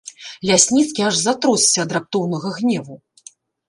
Лясніцкі аж затросся ад раптоўнага гневу.